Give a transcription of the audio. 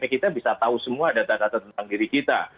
kita bisa tahu semua data data tentang diri kita